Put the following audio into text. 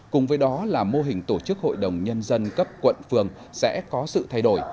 cùng với đó là mô hình tổ chức hội đồng nhân dân cấp quận phường sẽ có sự thay đổi